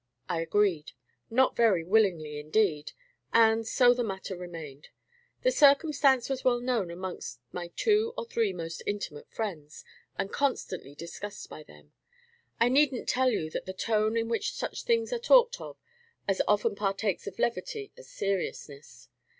I agreed, not very willingly, indeed, and so the matter remained. The circumstance was well known amongst my two or three most intimate friends, and constantly discussed by them. I need n't tell you that the tone in which such things are talked of as often partakes of levity as seriousness.